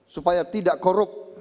supaya tidak korup